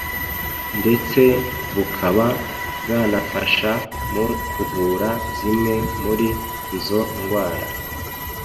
ndetse bukaba bwanafasha mu kuvura zimwe muri izo ndwara